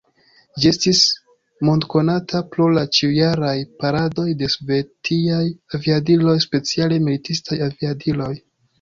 Ĝi estis mondkonata pro la ĉiujaraj paradoj de sovetiaj aviadiloj, speciale militistaj aviadiloj.